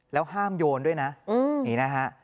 แล้วห้ามโยนด้วยนะนี่นะฮะ